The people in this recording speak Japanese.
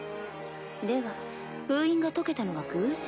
では封印が解けたのは偶然？